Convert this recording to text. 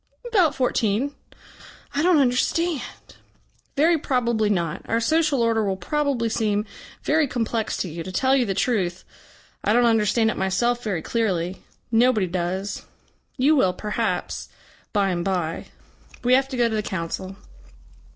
"About fourteen." "I don't understand." "Very probably not. Our social order will probably seem very complex to you. To tell you the truth, I don't understand it myself very clearly. Nobody does. You will, perhaps bye and bye. We have to go to the Council."